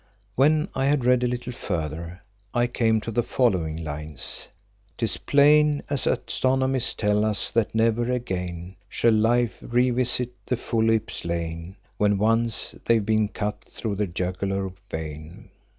When I had read a little further I came to the following lines, "'Tis plain, As anatomists tell us, that never again, Shall life revisit the foully slain When once they've been cut through the jugular vein."